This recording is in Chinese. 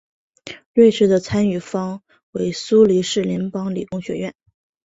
瑞士的参与方为苏黎世联邦理工学院。